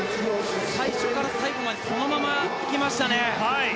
最初から最後までそのまま行きましたね。